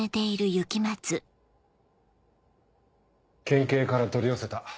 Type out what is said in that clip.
県警から取り寄せた。